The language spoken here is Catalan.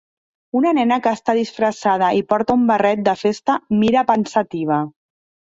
Una nena que està disfressada i porta un barret de festa mira pensativa.